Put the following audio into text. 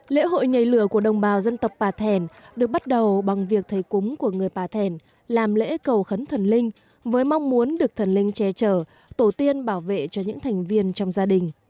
lễ hội nhảy lửa của đồng bào dân tộc pà thèn được bắt đầu bằng việc thầy cúng của người pà thèn làm lễ cầu khấn thần linh với mong muốn được thần linh che trở tổ tiên bảo vệ cho những thành viên trong gia đình